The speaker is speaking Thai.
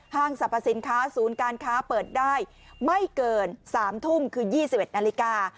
สรรพสินค้าศูนย์การค้าเปิดได้ไม่เกิน๓ทุ่มคือ๒๑นาฬิกา